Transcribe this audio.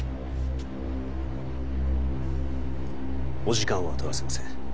お時間は取らせません。